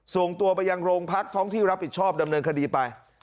ส่งตัวไปยังโรงพักท้องที่รับผิดชอบดำเนินคดีไป